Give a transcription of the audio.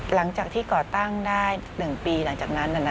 หลังจากที่ก่อตั้งได้๑ปีหลังจากนั้น